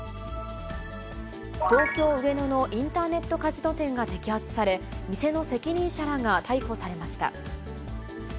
東京・上野のインターネットカジノ店が摘発され、店の責任者らが逮捕されました。